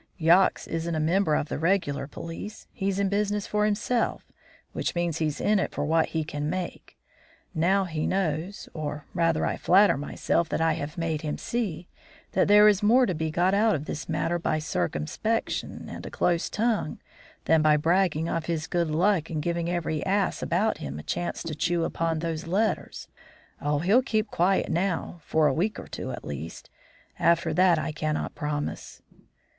Yox isn't a member of the regular police; he's in business for himself, which means he's in it for what he can make. Now, he knows or, rather, I flatter myself that I have made him see that there is more to be got out of this matter by circumspection and a close tongue than by bragging of his good luck and giving every ass about him a chance to chew upon those letters. Oh, he'll keep quiet now, for a week or two at least. After that I cannot promise."